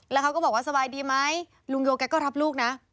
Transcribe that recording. แล้วเขาก็บอกว่าสบายดีไหมลุงโยแกก็รับลูกนะ